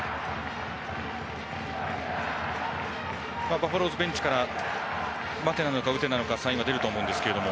バファローズベンチから待てなのか、打てなのかサインが出ると思いますが。